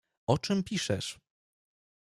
O czym piszesz?